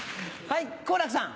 はい。